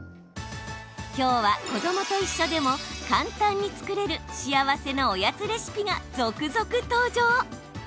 きょうは子どもと一緒でも簡単に作れる幸せのおやつレシピが続々登場。